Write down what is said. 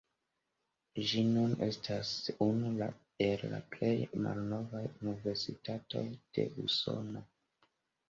Ĝi nun estas unu el la plej malnovaj universitatoj de Usono.